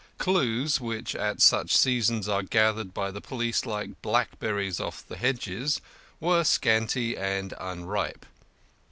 Clues, which at such seasons are gathered by the police like blackberries off the hedges, were scanty and unripe.